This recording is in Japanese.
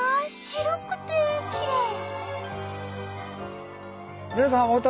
白くてきれい！